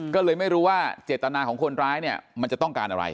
ก็เลยไม่รู้ว่าเจตนาของคนร้ายเนี่ยมันจะต้องการอะไร